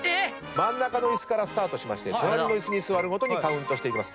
真ん中のイスからスタートしまして隣のイスに座るごとにカウントしていきます。